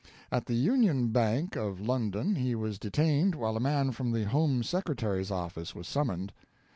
At the Union Bank of London he was detained while a man from the Home Secretary's office was summoned.